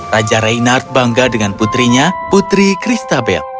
raja reynard bangga dengan putrinya putri christabel